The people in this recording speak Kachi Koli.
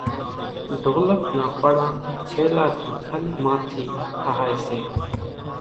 ڍولڪ نان پڙان ڇيلا نِي کلِ مان ٿِي ٺۿائيَ سي۔